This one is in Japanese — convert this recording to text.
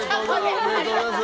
ありがとうございます。